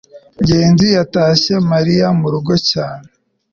ngenzi yatashye mariya murugo cyane